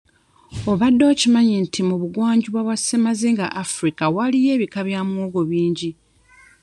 Obadde okimanyi nti mu bugwanjuba bwa Ssemazinga Africa waliyo ebika bya muwogo bingi?